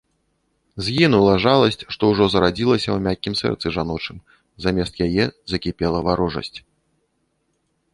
Згінула жаласць, што ўжо зарадзілася ў мяккім сэрцы жаночым, замест яе закіпела варожасць.